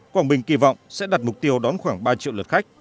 quảng bình kỳ vọng sẽ đặt mục tiêu đón khoảng ba triệu lượt khách